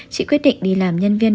chị quyết định đi làm nhân viên